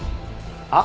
あ？